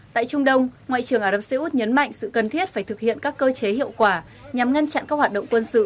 tại trung đông ngoại trưởng ả rập xê út nhấn mạnh sự cần thiết phải thực hiện các cơ chế hiệu quả nhằm ngăn chặn các hoạt động quân sự